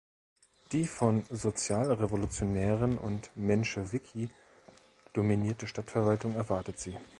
Die von Sozialrevolutionären und Menschewiki dominierte Stadtverwaltung erwartet sie.